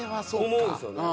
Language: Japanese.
思うんですよね。